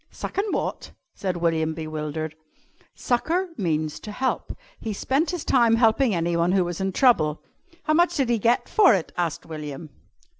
"Suckin' wot?" said William, bewildered. "Succour means to help. He spent his time helping anyone who was in trouble." "How much did he get for it?" asked William.